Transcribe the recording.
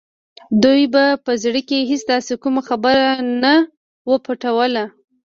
دوی به په زړه کې هېڅ داسې کومه خبره نه وه پټوله